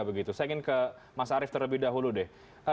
saya ingin ke mas arief terlebih dahulu deh